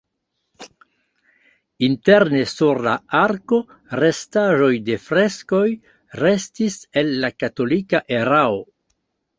Interne sur la arko restaĵoj de freskoj restis el la katolika erao.